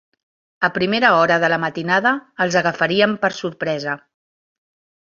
A primera hora de la matinada, els agafaríem per sorpresa